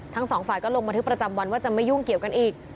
ทั้งสองฝ่ายก็ลงบันทึกประจำวันว่าจะไม่ยุ่งเกี่ยวกันอีก